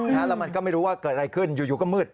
แล้วมันก็ไม่รู้ว่าเกิดอะไรขึ้นอยู่ก็มืด